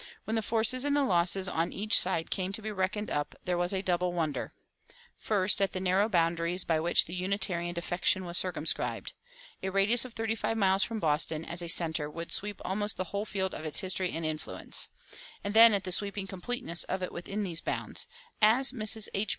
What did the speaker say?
When the forces and the losses on each side came to be reckoned up, there was a double wonder: First, at the narrow boundaries by which the Unitarian defection was circumscribed: "A radius of thirty five miles from Boston as a center would sweep almost the whole field of its history and influence;"[250:1] and then at the sweeping completeness of it within these bounds; as Mrs. H.